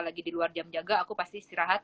lagi di luar jam jaga aku pasti istirahat